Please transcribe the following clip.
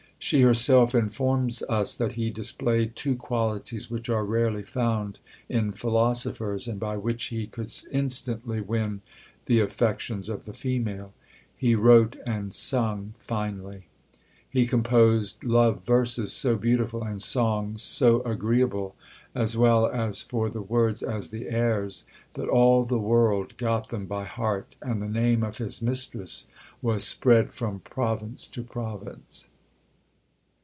She herself informs us that he displayed two qualities which are rarely found in philosophers, and by which he could instantly win the affections of the female; he wrote and sung finely. He composed love verses so beautiful, and songs so agreeable, as well for the words as the airs, that all the world got them by heart, and the name of his mistress was spread from province to province.